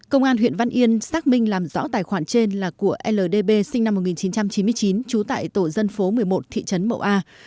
công an huyện văn yên xác minh làm rõ tài khoản trên là của ldb sinh năm một nghìn chín trăm chín mươi chín trú tại tổ dân phố một mươi một thị trấn mậu a